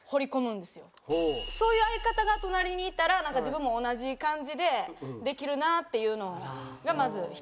そういう相方が隣にいたら自分も同じ感じでできるなっていうのがまず一つ。